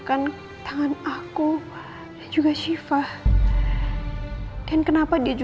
karena afif masih mencintai aku